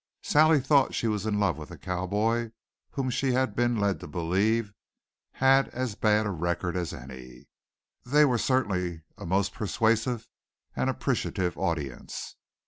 Sally thought she was in love with a cowboy whom she had been led to believe had as bad a record as any. They were certainly a most persuasive and appreciative audience.